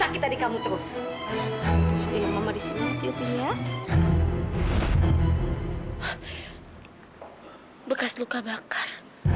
punya bekas luka bakar